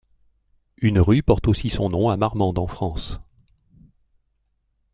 Une rue porte aussi son nom à Marmande en France.